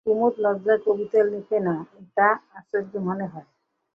কুমুদ লজ্জায় কবিতা লেখে না, এটা আশ্চর্য মনে হয়।